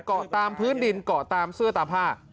เกาะตามพื้นดินเกาะตามเสื้อตาผ้า